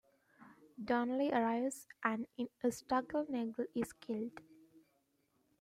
Donnelly arrives and In a struggle Nagel is killed.